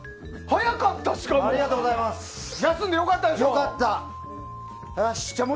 早かった、しかも。